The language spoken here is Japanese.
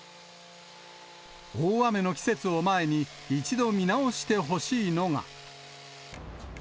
大雨の季節を前に、一度見直してほしいのが。